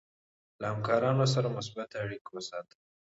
له همکارانو سره مثبت اړیکه وساتئ.